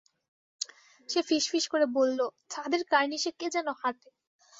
সে ফিসফিস করে বলল, ছাদের কার্নিশে কে যেন হাঁটে।